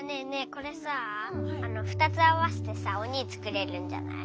これさあ２つ合わせてさおにぃ作れるんじゃない？